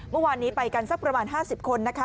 เมื่อวานนี้ไปกันสักประมาณ๕๐คนนะคะ